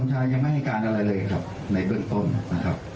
ชายยังไม่ให้การอะไรเลยครับในเบื้องต้นนะครับ